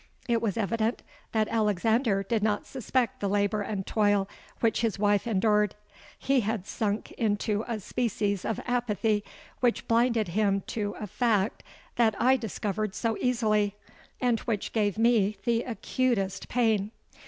It was evident that Alexander did not suspect the labour and toil which his wife endured: he had sunk into a species of apathy which blinded him to a fact that I discovered so easily, and which gave me the acutest pain.